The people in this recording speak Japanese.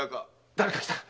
誰か来た！